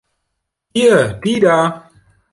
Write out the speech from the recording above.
Hier, die da!